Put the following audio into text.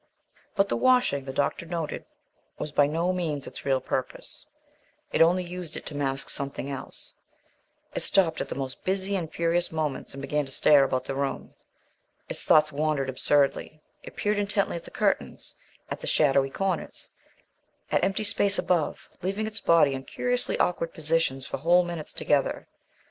But the washing, the doctor noted, was by no means its real purpose; it only used it to mask something else; it stopped at the most busy and furious moments and began to stare about the room. Its thoughts wandered absurdly. It peered intently at the curtains; at the shadowy corners; at empty space above; leaving its body in curiously awkward positions for whole minutes together.